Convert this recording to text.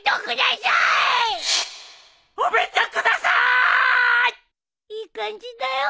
いい感じだよ